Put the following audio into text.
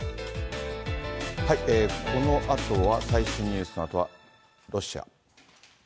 このあとは、最新ニュースのあとはロシア。